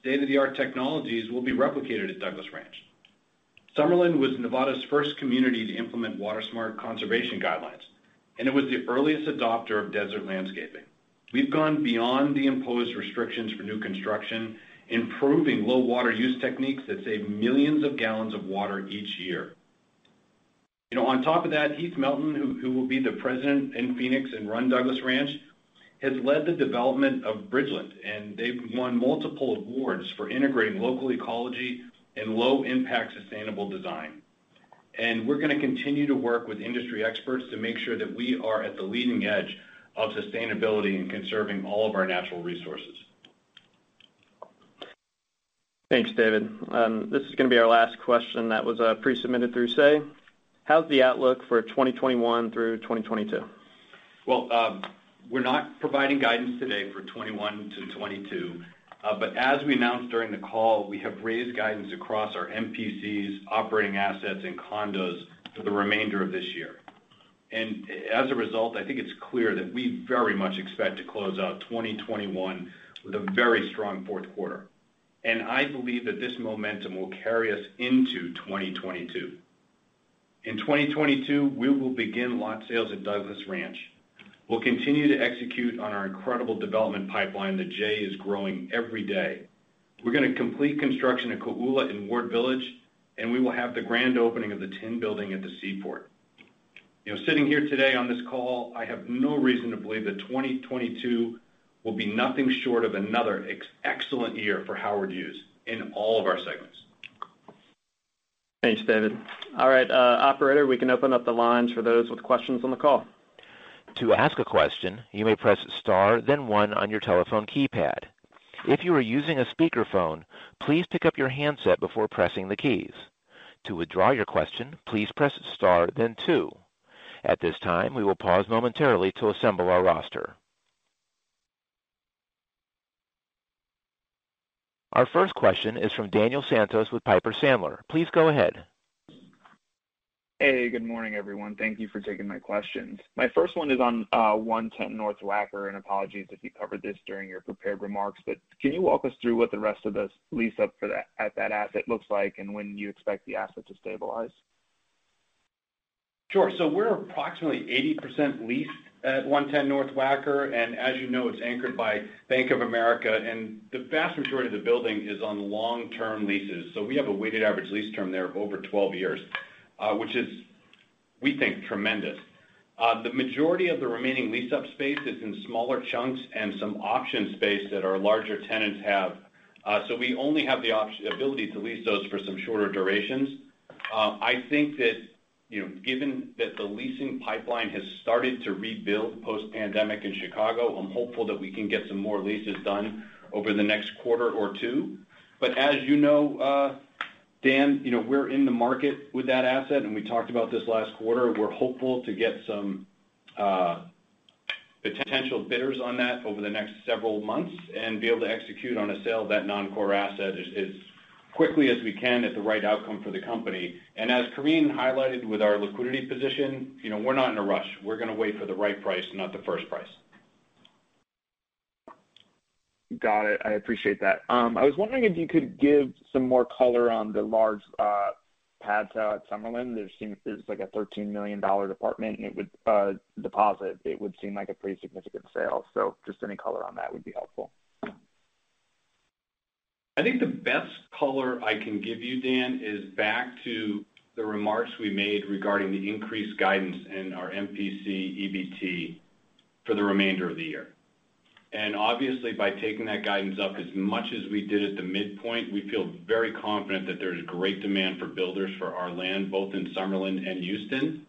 state-of-the-art technologies will be replicated at Douglas Ranch. Summerlin was Nevada's first community to implement Water Smart conservation guidelines, and it was the earliest adopter of desert landscaping. We've gone beyond the imposed restrictions for new construction, improving low water use techniques that save millions of gallons of water each year. You know, on top of that, Heath Melton, who will be the president in Phoenix and run Douglas Ranch, has led the development of Bridgeland, and they've won multiple awards for integrating local ecology and low impact sustainable design. We're gonna continue to work with industry experts to make sure that we are at the leading edge of sustainability and conserving all of our natural resources.
Thanks, David. This is gonna be our last question that was pre-submitted through Say. How's the outlook for 2021 through 2022?
We're not providing guidance today for 2021 to 2022. As we announced during the call, we have raised guidance across our MPCs, operating assets, and condos for the remainder of this year. As a result, I think it's clear that we very much expect to close out 2021 with a very strong fourth quarter. I believe that this momentum will carry us into 2022. In 2022, we will begin lot sales at Douglas Ranch. We'll continue to execute on our incredible development pipeline that Jay is growing every day. We're gonna complete construction at Kō'ula in Ward Village, and we will have the grand opening of the Tin Building at the Seaport. You know, sitting here today on this call, I have no reason to believe that 2022 will be nothing short of another excellent year for Howard Hughes in all of our segments.
Thanks, David. All right, operator, we can open up the lines for those with questions on the call.
To ask a question, you may press Star, then one on your telephone keypad. If you are using a speakerphone, please pick up your handset before pressing the keys. To withdraw your question, please press Star then two. At this time, we will pause momentarily to assemble our roster. Our first question is from Daniel Santos with Piper Sandler. Please go ahead.
Hey, good morning, everyone. Thank you for taking my questions. My first one is on 110 North Wacker, and apologies if you covered this during your prepared remarks. Can you walk us through what the rest of this lease-up for that at that asset looks like and when you expect the asset to stabilize?
Sure. We're approximately 80% leased at 110 North Wacker, and as you know, it's anchored by Bank of America, and the vast majority of the building is on long-term leases. We have a weighted average lease term there of over 12 years, which is, we think, tremendous. The majority of the remaining lease-up space is in smaller chunks and some option space that our larger tenants have. We only have the ability to lease those for some shorter durations. I think that, you know, given that the leasing pipeline has started to rebuild post-pandemic in Chicago, I'm hopeful that we can get some more leases done over the next quarter or two. As you know, Dan, you know, we're in the market with that asset, and we talked about this last quarter. We're hopeful to get some potential bidders on that over the next several months and be able to execute on a sale of that non-core asset as quickly as we can at the right outcome for the company. As Correne Loeffler highlighted with our liquidity position, you know, we're not in a rush. We're gonna wait for the right price, not the first price.
Got it. I appreciate that. I was wondering if you could give some more color on the large pads out at Summerlin. There seems like a $13 million deposit, and it would seem like a pretty significant sale. Just any color on that would be helpful.
I think the best color I can give you, Dan, is back to the remarks we made regarding the increased guidance in our MPC EBT for the remainder of the year. Obviously, by taking that guidance up as much as we did at the midpoint, we feel very confident that there's great demand for builders for our land, both in Summerlin and Houston.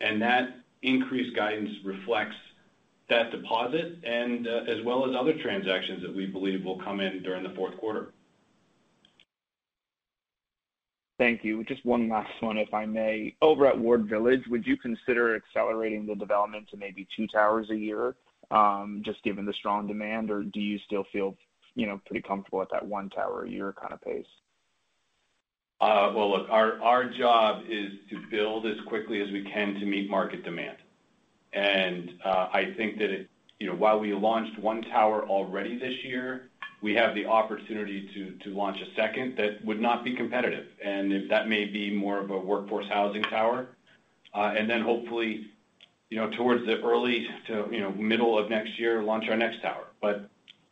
That increased guidance reflects that deposit and, as well as other transactions that we believe will come in during the fourth quarter.
Thank you. Just one last one, if I may. Over at Ward Village, would you consider accelerating the development to maybe two towers a year, just given the strong demand? Or do you still feel, you know, pretty comfortable at that one tower a year kinda pace?
Well, look, our job is to build as quickly as we can to meet market demand. I think that it. You know, while we launched one tower already this year, we have the opportunity to launch a second that would not be competitive. If that may be more of a workforce housing tower. Then hopefully, you know, towards the early to middle of next year, launch our next tower.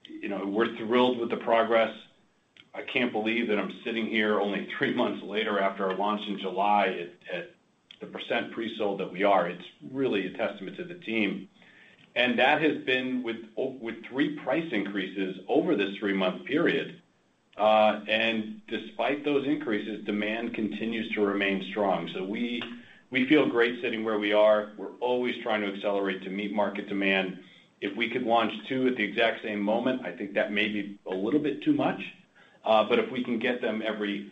You know, we're thrilled with the progress. I can't believe that I'm sitting here only three months later after our launch in July at the percent pre-sold that we are. It's really a testament to the team. That has been with three price increases over this three-month period. Despite those increases, demand continues to remain strong. We feel great sitting where we are. We're always trying to accelerate to meet market demand. If we could launch two at the exact same moment, I think that may be a little bit too much. But if we can get them every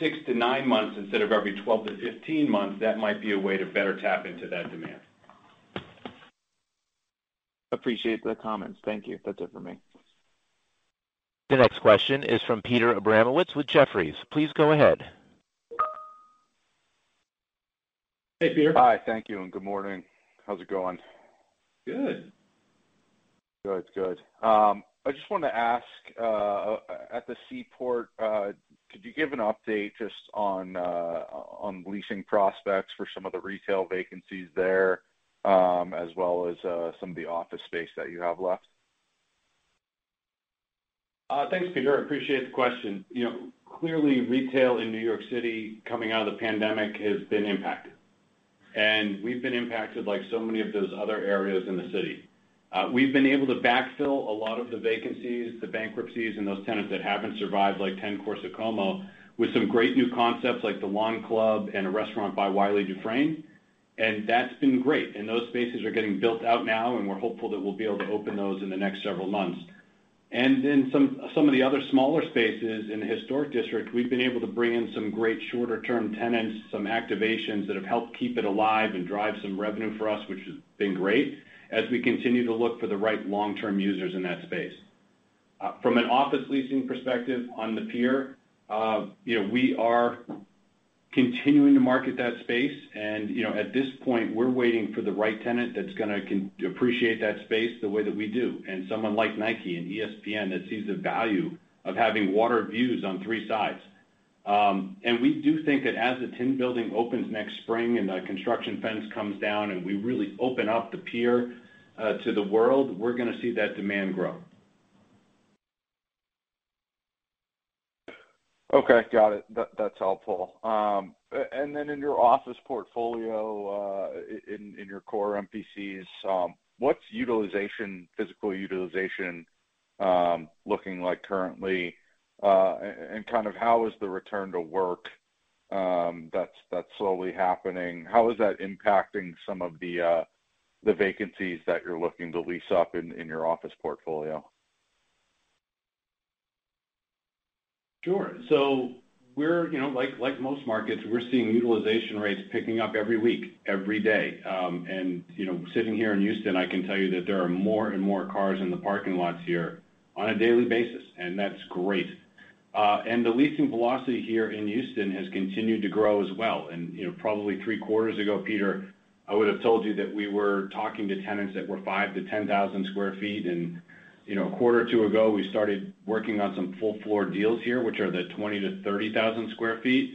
6-9 months instead of every 12-15 months, that might be a way to better tap into that demand.
Appreciate the comments. Thank you. That's it for me.
The next question is from Peter Abramowitz with Jefferies. Please go ahead.
Hey, Peter.
Hi. Thank you, and good morning. How's it going?
Good.
Good. I just wanna ask at the Seaport, could you give an update just on leasing prospects for some of the retail vacancies there, as well as some of the office space that you have left?
Thanks, Peter. I appreciate the question. You know, clearly, retail in New York City coming out of the pandemic has been impacted, and we've been impacted like so many of those other areas in the city. We've been able to backfill a lot of the vacancies, the bankruptcies, and those tenants that haven't survived, like 10 Corso Como, with some great new concepts like The Lawn Club and a restaurant by Wylie Dufresne. That's been great. Those spaces are getting built out now, and we're hopeful that we'll be able to open those in the next several months. Some of the other smaller spaces in the historic district, we've been able to bring in some great shorter-term tenants, some activations that have helped keep it alive and drive some revenue for us, which has been great, as we continue to look for the right long-term users in that space. From an office leasing perspective on the pier, you know, we are continuing to market that space and, you know, at this point, we're waiting for the right tenant that's gonna appreciate that space the way that we do, and someone like Nike and ESPN that sees the value of having water views on three sides. We do think that as the Tin building opens next spring and the construction fence comes down, and we really open up the pier to the world, we're gonna see that demand grow.
Okay. Got it. That's helpful. And then in your office portfolio, in your core MPCs, what's physical utilization looking like currently? And kind of how is the return to work that's slowly happening impacting some of the vacancies that you're looking to lease up in your office portfolio?
Sure. We're, you know, like most markets, we're seeing utilization rates picking up every week, every day. You know, sitting here in Houston, I can tell you that there are more and more cars in the parking lots here on a daily basis, and that's great. The leasing velocity here in Houston has continued to grow as well. You know, probably three quarters ago, Peter, I would have told you that we were talking to tenants that were 5-10,000 sq ft. You know, a quarter or two ago, we started working on some full floor deals here, which are the 20-30,000 sq ft.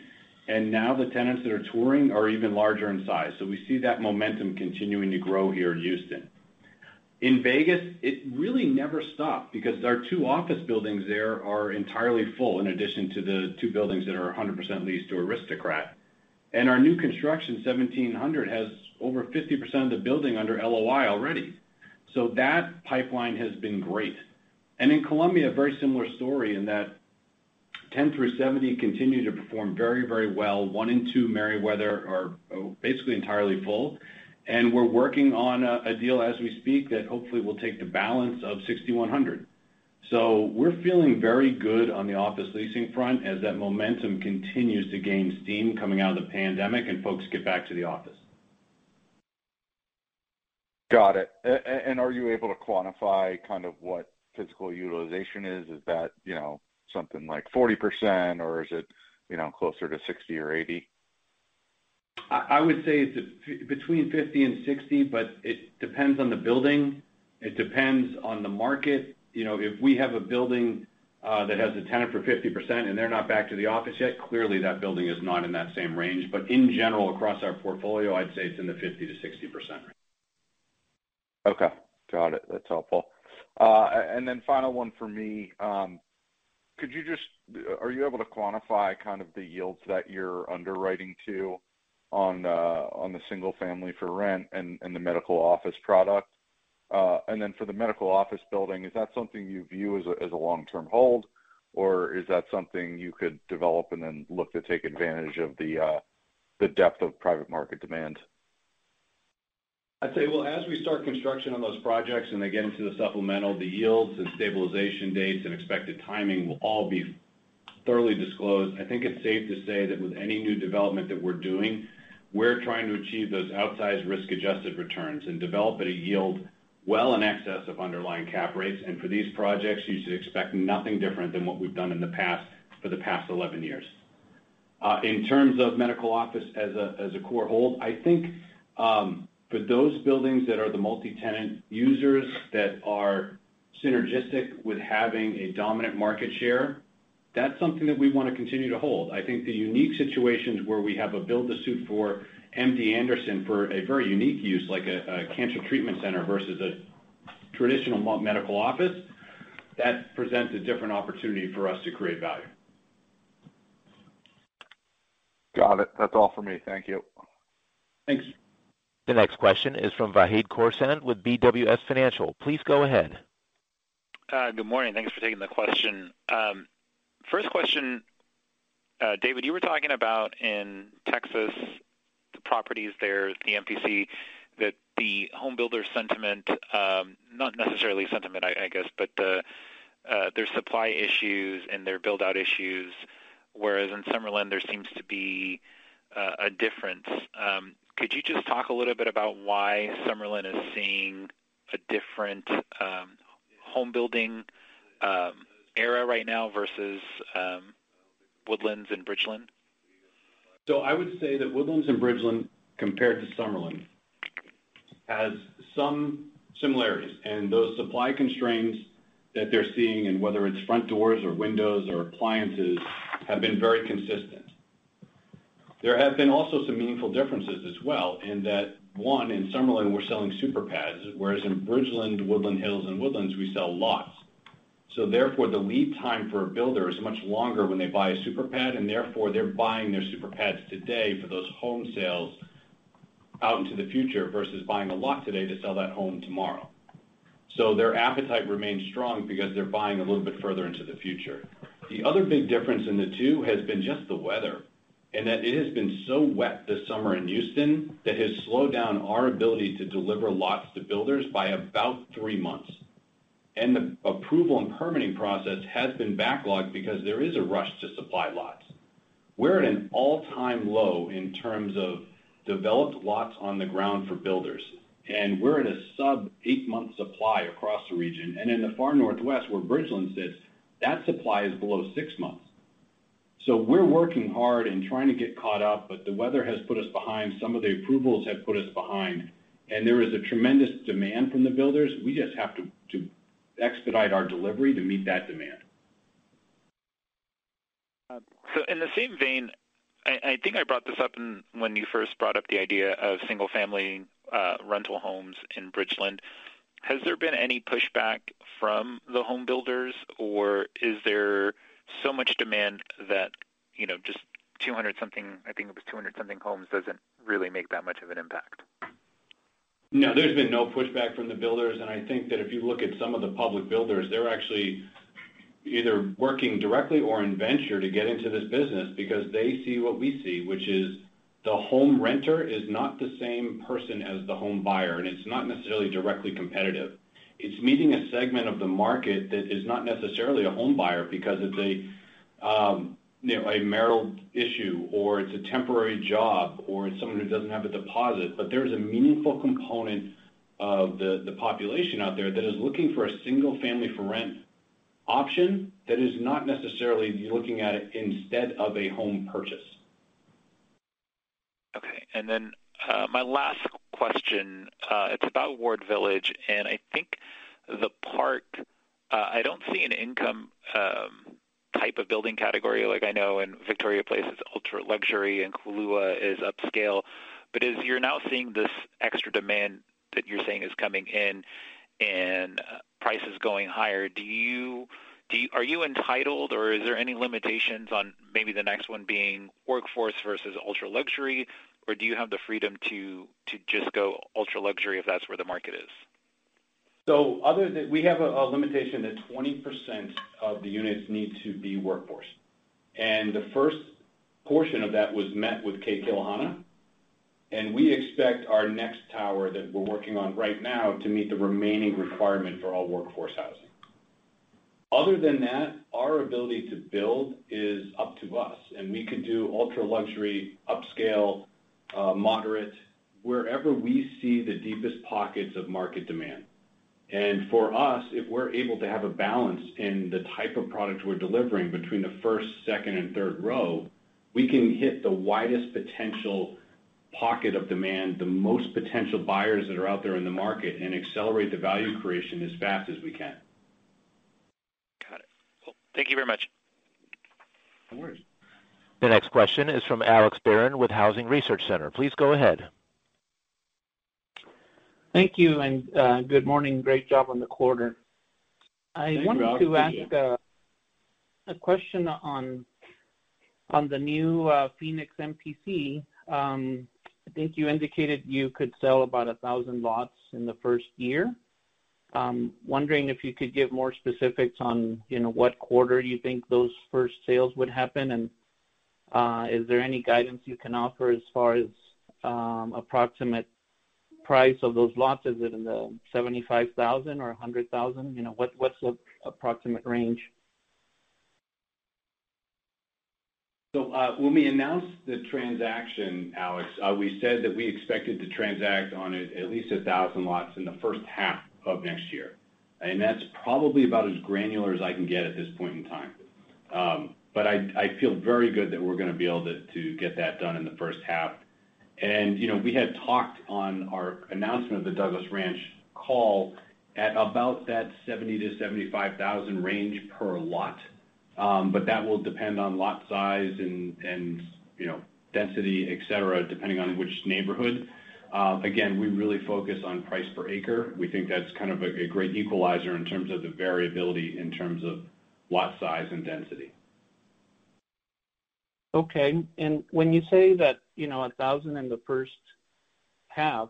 Now the tenants that are touring are even larger in size. We see that momentum continuing to grow here in Houston. In Vegas, it really never stopped because our two office buildings there are entirely full, in addition to the two buildings that are 100% leased to Aristocrat. Our new construction, 1700, has over 50% of the building under LOI already. That pipeline has been great. In Columbia, a very similar story in that 10%-70% continue to perform very, very well. 1 and 2 Merriweather are basically entirely full, and we're working on a deal as we speak that hopefully will take the balance of 6100. We're feeling very good on the office leasing front as that momentum continues to gain steam coming out of the pandemic and folks get back to the office.
Got it. Are you able to quantify kind of what physical utilization is? Is that, you know, something like 40% or is it, you know, closer to 60% or 80%?
I would say it's between 50% and 60%, but it depends on the building. It depends on the market. You know, if we have a building that has a tenant for 50% and they're not back to the office yet, clearly that building is not in that same range. But in general, across our portfolio, I'd say it's in the 50%-60% range.
Okay. Got it. That's helpful. Final one for me. Are you able to quantify kind of the yields that you're underwriting to on the single family for rent and the medical office product? For the medical office building, is that something you view as a long-term hold, or is that something you could develop and then look to take advantage of the depth of private market demand?
I'd say, well, as we start construction on those projects and they get into the supplemental, the yields and stabilization dates and expected timing will all be thoroughly disclosed. I think it's safe to say that with any new development that we're doing, we're trying to achieve those outsized risk-adjusted returns and develop at a yield well in excess of underlying cap rates. For these projects, you should expect nothing different than what we've done in the past for the past 11 years. In terms of medical office as a core hold, I think, for those buildings that are the multi-tenant users that are synergistic with having a dominant market share, that's something that we wanna continue to hold. I think the unique situations where we have a build-to-suit for MD Anderson for a very unique use, like a cancer treatment center versus a traditional medical office, that presents a different opportunity for us to create value.
Got it. That's all for me. Thank you.
Thanks.
The next question is from Vahid Khorsand with BWS Financial. Please go ahead.
Good morning. Thanks for taking the question. First question, David, you were talking about in Texas, the properties there, the MPC, that the home builder sentiment, not necessarily sentiment, I guess, but the their supply issues and their build out issues, whereas in Summerlin, there seems to be a difference. Could you just talk a little bit about why Summerlin is seeing a different home building era right now versus Woodlands and Bridgeland?
I would say that Woodlands and Bridgeland, compared to Summerlin, has some similarities. Those supply constraints that they're seeing, and whether it's front doors or windows or appliances, have been very consistent. There have been also some meaningful differences as well in that, one, in Summerlin, we're selling super pads, whereas in Bridgeland, Woodlands Hills, and Woodlands, we sell lots. Therefore, the lead time for a builder is much longer when they buy a super pad, and therefore they're buying their super pads today for those home sales out into the future versus buying a lot today to sell that home tomorrow. Their appetite remains strong because they're buying a little bit further into the future. The other big difference in the two has been just the weather, and that it has been so wet this summer in Houston that has slowed down our ability to deliver lots to builders by about three months. The approval and permitting process has been backlogged because there is a rush to supply lots. We're at an all-time low in terms of developed lots on the ground for builders, and we're at a sub-eight-month supply across the region. In the far Northwest, where Bridgeland sits, that supply is below six months. We're working hard and trying to get caught up, but the weather has put us behind, some of the approvals have put us behind, and there is a tremendous demand from the builders. We just have to expedite our delivery to meet that demand.
in the same vein, I think I brought this up when you first brought up the idea of single-family rental homes in Bridgeland. Has there been any pushback from the home builders, or is there so much demand that, you know, just 200-something, I think it was 200-something homes doesn't really make that much of an impact?
No, there's been no pushback from the builders. I think that if you look at some of the public builders, they're actually either working directly or in venture to get into this business because they see what we see, which is the home renter is not the same person as the home buyer, and it's not necessarily directly competitive. It's meeting a segment of the market that is not necessarily a home buyer because it's a, you know, a marital issue, or it's a temporary job, or it's someone who doesn't have a deposit. There is a meaningful component of the population out there that is looking for a single-family for rent option that is not necessarily looking at it instead of a home purchase.
Okay. My last question, it's about Ward Village, and I think the part. I don't see an income type of building category like I know in Victoria Place is ultra-luxury and Kō'ula is upscale. As you're now seeing this extra demand that you're saying is coming in and prices going higher, are you entitled or is there any limitations on maybe the next one being workforce versus ultra-luxury, or do you have the freedom to just go ultra-luxury if that's where the market is?
Other than, we have a limitation that 20% of the units need to be workforce. The first portion of that was met with Ke Kilohana, and we expect our next tower that we're working on right now to meet the remaining requirement for all workforce housing. Other than that, our ability to build is up to us, and we could do ultra-luxury, upscale, moderate, wherever we see the deepest pockets of market demand. For us, if we're able to have a balance in the type of product we're delivering between the first, second, and third row, we can hit the widest potential pocket of demand, the most potential buyers that are out there in the market and accelerate the value creation as fast as we can.
Got it. Well, thank you very much.
No worries.
The next question is from Alex Barron with Housing Research Center. Please go ahead.
Thank you, and, good morning. Great job on the quarter.
Thanks, Alex. Appreciate it.
I wanted to ask a question on the new Phoenix MPC. I think you indicated you could sell about 1,000 lots in the first year. Wondering if you could give more specifics on, you know, what quarter you think those first sales would happen, and is there any guidance you can offer as far as approximate price of those lots? Is it in the $75,000 or $100,000? You know, what's the approximate range?
When we announced the transaction, Alex, we said that we expected to transact on at least 1,000 lots in the first half of next year. That's probably about as granular as I can get at this point in time. I feel very good that we're gonna be able to get that done in the first half. You know, we had talked on our announcement of the Douglas Ranch call at about that $70,000-$75,000 range per lot. That will depend on lot size and, you know, density, et cetera, depending on which neighborhood. Again, we really focus on price per acre. We think that's kind of a great equalizer in terms of the variability in terms of lot size and density.
Okay. When you say that, you know, 1,000 in the first half,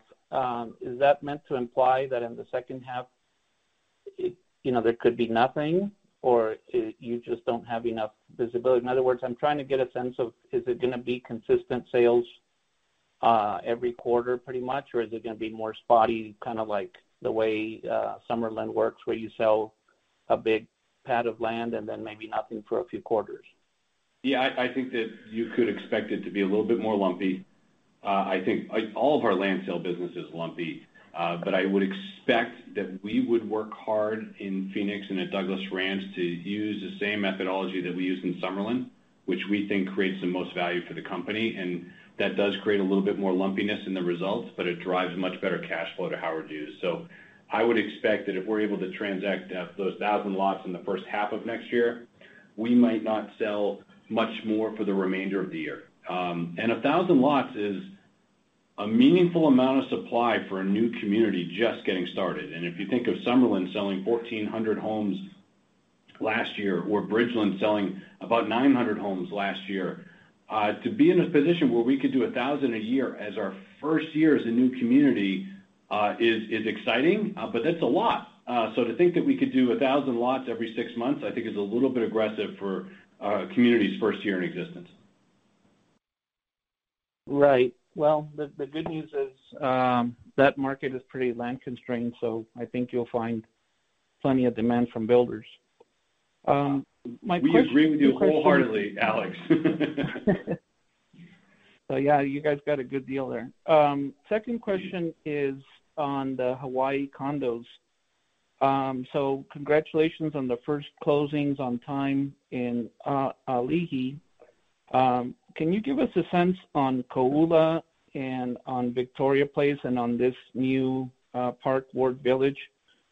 is that meant to imply that in the second half, it, you know, there could be nothing, or you just don't have enough visibility? In other words, I'm trying to get a sense of, is it gonna be consistent sales every quarter pretty much, or is it gonna be more spotty, kind of like the way Summerlin works, where you sell a big pad of land and then maybe nothing for a few quarters?
Yeah. I think that you could expect it to be a little bit more lumpy. I think all of our land sale business is lumpy, but I would expect that we would work hard in Phoenix and at Douglas Ranch to use the same methodology that we used in Summerlin, which we think creates the most value for the company. That does create a little bit more lumpiness in the results, but it drives much better cash flow to Howard Hughes. I would expect that if we're able to transact those 1,000 lots in the first half of next year, we might not sell much more for the remainder of the year. 1,000 lots is a meaningful amount of supply for a new community just getting started. If you think of Summerlin selling 1,400 homes last year or Bridgeland selling about 900 homes last year, to be in a position where we could do 1,000 a year as our first year as a new community, is exciting, but that's a lot. To think that we could do 1,000 lots every six months, I think is a little bit aggressive for a community's first year in existence.
Right. Well, the good news is that market is pretty land constrained, so I think you'll find plenty of demand from builders. My question-
We agree with you wholeheartedly, Alex.
Yeah, you guys got a good deal there. Second question is on the Hawaii condos. Congratulations on the first closings on time in ʻAʻaliʻi. Can you give us a sense on Kō'ula and on Victoria Place and on this new The Park Ward Village?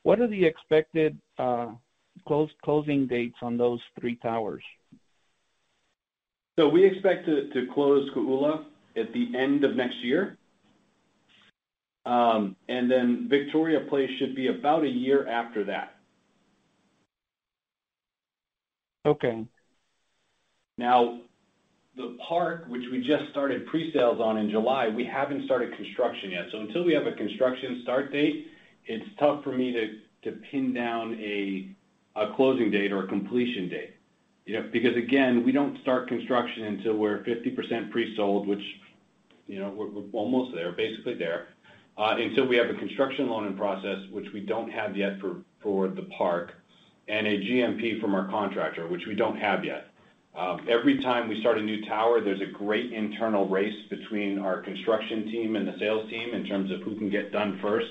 What are the expected closing dates on those three towers?
We expect to close Kō'ula at the end of next year. Victoria Place should be about a year after that.
Okay.
Now, the Park, which we just started pre-sales on in July, we haven't started construction yet. Until we have a construction start date, it's tough for me to pin down a closing date or a completion date. You know, because, again, we don't start construction until we're 50% pre-sold, which, you know, we're almost there, basically there. Until we have a construction loan in process, which we don't have yet for the Park, and a GMP from our contractor, which we don't have yet. Every time we start a new tower, there's a great internal race between our construction team and the sales team in terms of who can get done first,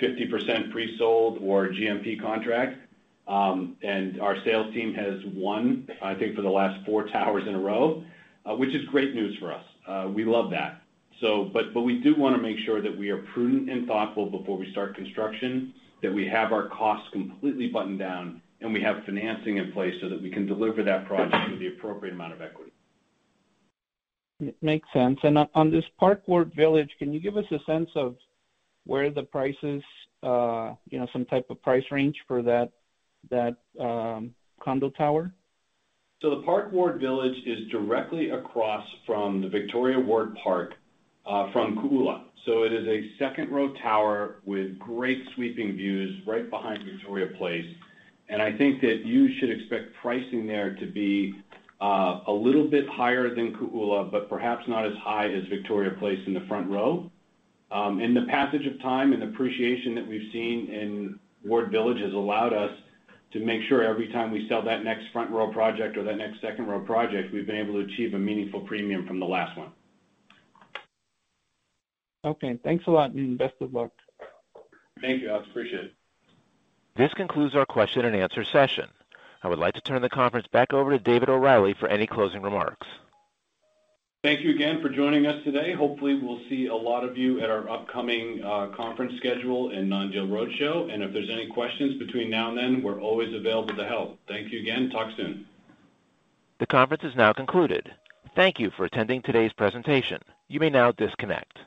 50% pre-sold or a GMP contract. Our sales team has won, I think, for the last four towers in a row, which is great news for us. We love that. But we do wanna make sure that we are prudent and thoughtful before we start construction, that we have our costs completely buttoned down, and we have financing in place so that we can deliver that project with the appropriate amount of equity.
Makes sense. On this Park Ward Village, can you give us a sense of where the prices, you know, some type of price range for that condo tower?
The Park Ward Village is directly across from the Victoria Ward Park from Kō'ula. It is a second row tower with great sweeping views right behind Victoria Place. I think that you should expect pricing there to be a little bit higher than Kō'ula, but perhaps not as high as Victoria Place in the front row. In the passage of time and appreciation that we've seen in Ward Village has allowed us to make sure every time we sell that next front row project or that next second row project, we've been able to achieve a meaningful premium from the last one.
Okay, thanks a lot, and best of luck.
Thank you, Alex. Appreciate it.
This concludes our question and answer session. I would like to turn the conference back over to David O'Reilly for any closing remarks.
Thank you again for joining us today. Hopefully, we'll see a lot of you at our upcoming conference schedule and non-deal roadshow. If there's any questions between now and then, we're always available to help. Thank you again. Talk soon.
The conference is now concluded. Thank you for attending today's presentation. You may now disconnect.